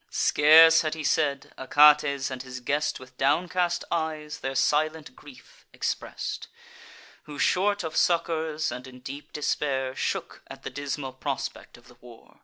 Scarce had he said; Achates and his guest, With downcast eyes, their silent grief express'd; Who, short of succours, and in deep despair, Shook at the dismal prospect of the war.